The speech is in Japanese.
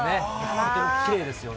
とてもきれいですよね。